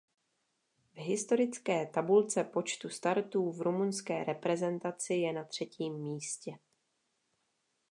V historické tabulce počtu startů v rumunské reprezentaci je na třetím místě.